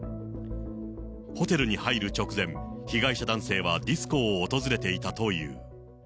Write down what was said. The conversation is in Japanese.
ホテルに入る直前、被害者男性はディスコを訪れていたという。